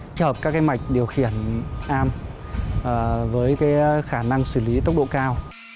tích hợp các cái mạch điều khiển am với cái khả năng xử lý tốc độ cao